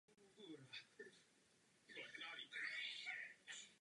Kategorie "Nejlepší herečka v dramatickém seriálu" prošla během padesáti let několika změnami.